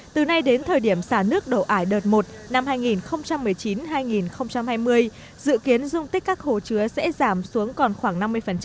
từ nay đến thời điểm xả nước đổ ải đợt một năm hai nghìn một mươi chín hai nghìn hai mươi dự kiến dung tích các hồ chứa sẽ giảm xuống còn khoảng năm mươi